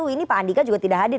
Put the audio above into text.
ini pak andika juga tidak hadir